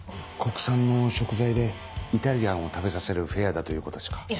国産の食材でイタリアンを食べさせるフェアだということしか。